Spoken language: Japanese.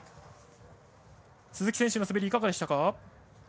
鈴木選手の滑りはいかがでしたか。